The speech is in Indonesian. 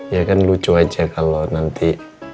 ya kan lucu aja kalau nanti